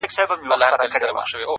اوس سپوږمۍ نسته اوس رڼا نلرم’